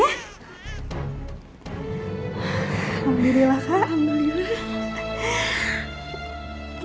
ya allahalhamdulillah kak alhamdulillah